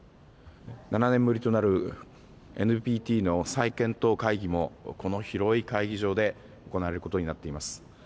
７年ぶりとなるＮＰＴの再検討会議もこの広い会議場で行われることになっています。